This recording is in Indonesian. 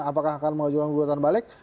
apakah akan mengajukan gugatan balik